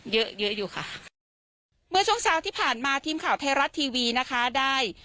เยอะเยอะอยู่ค่ะเมื่อช่วงเช้าที่ผ่านมาทีมข่าวไทยรัฐทีวีนะคะได้